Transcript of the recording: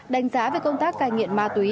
đánh giá về công tác cài nghiện ma túy